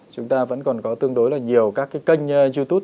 chúng ta vẫn còn có tương đối là nhiều các cái kênh youtube